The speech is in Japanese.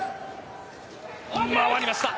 回りました！